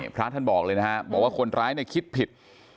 พระท่านบอกเลยนะฮะบอกว่าคนร้ายคิดผิด